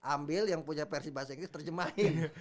ambil yang punya versi bahasa inggris terjemahin